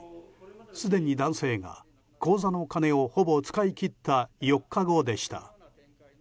すでに男性が口座の金をほぼ使い切った４日後でした。